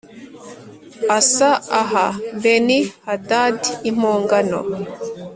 Asa aha Beni Hadadi impongano